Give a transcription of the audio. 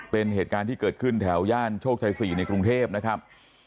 เป็นเหตุการณ์ที่เกิดขึ้นแถวย่านโชคชัย๔ในกรุงเทพนะครับ